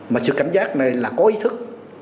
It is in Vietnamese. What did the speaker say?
mà sự cảnh giác này là có ý thức